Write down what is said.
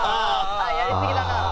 ああやりすぎだな。